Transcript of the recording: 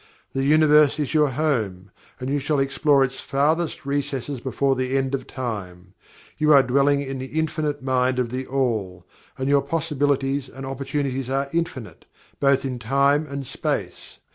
The Universe is your home, and you shall explore its farthest recesses before the end of Time. You are dwelling in the Infinite Mind of THE ALL, and your possibilities and opportunities are infinite, both in time and space.